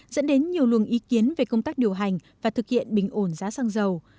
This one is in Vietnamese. dẫn đến nhiều luồng ý kiến về công tác điều hành và thực hiện bình ổn giá xăng dầu